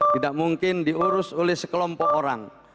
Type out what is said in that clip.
tidak mungkin diurus oleh sekelompok orang